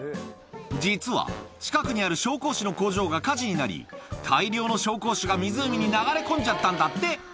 実は、近くにある紹興酒の工場が火事になり、大量の紹興酒が湖に流れ込んじゃったんだって。